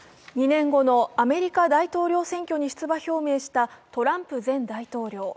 ２年後のアメリカ大統領選挙に出馬表明したトランプ前大統領。